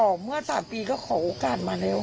เมื่อ๓ปีก็ขอโอกาสมาแล้ว